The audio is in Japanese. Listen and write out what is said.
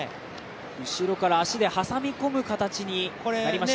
後ろから足で挟み込む形になりました。